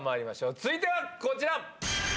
続いてはこちら。